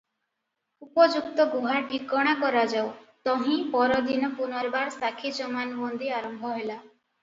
ଉପଯୁକ୍ତ ଗୁହା ଠିକଣା କରାଯାଉ ତହିଁ ପରଦିନ ପୁନର୍ବାର ସାକ୍ଷୀ ଜମାନବନ୍ଦୀ ଆରମ୍ଭ ହେଲା ।